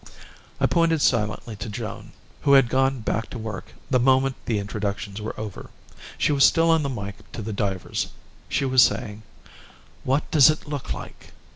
I pointed silently to Joan, who had gone back to work the moment the introductions were over. She was still on the mike to the divers. She was saying: "What does it look like?"